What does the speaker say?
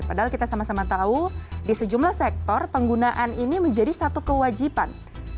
padahal kita sama sama tahu di sejumlah sektor penggunaan ini menjadi satu kewajiban